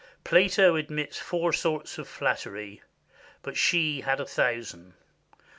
Plato admits four sorts of flattery, but she had a thousand.